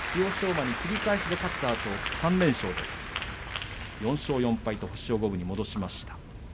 馬に切り返しで勝ったあと３連勝、４勝４敗と星を五分に戻しました。